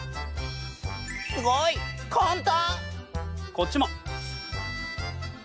こっちも。